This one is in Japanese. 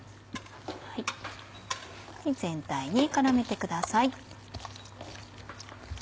全体に絡めてください。